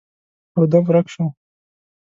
يودم ورک شو.